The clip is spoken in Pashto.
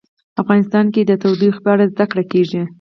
افغانستان کې د تودوخه په اړه زده کړه کېږي.